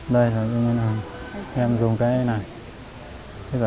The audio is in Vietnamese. đây em dùng cái này